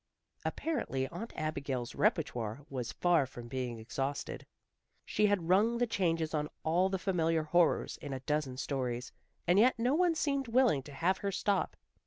Apparently Aunt Abigail's repertoire was far from being exhausted. She had rung the changes on all the familiar horrors in a dozen stories, and yet no one seemed willing to have her stop.